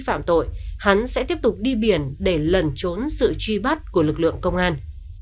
phạm tội hắn sẽ tiếp tục đi biển để lẩn trốn sự truy bắt của lực lượng công an